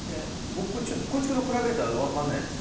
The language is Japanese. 光一君のプライベートは分からないです。